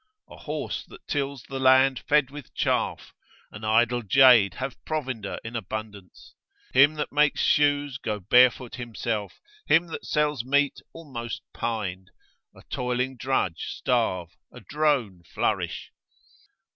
A horse that tills the land fed with chaff, an idle jade have provender in abundance; him that makes shoes go barefoot himself, him that sells meat almost pined; a toiling drudge starve, a drone flourish.